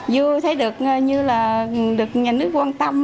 vui thấy được như là được nhà nước quan tâm